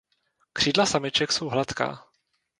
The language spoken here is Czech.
Křídla samiček jsou hladká.